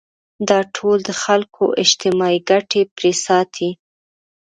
دا ټول د خلکو اجتماعي ګټې پرې ساتي.